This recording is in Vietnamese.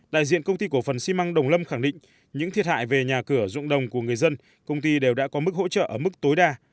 đại diện công ty cổ phần xi măng đồng lâm khẳng định những thiệt hại về nhà cửa rụng đồng của người dân công ty đều đã có mức hỗ trợ ở mức tối đa